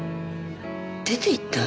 出て行った？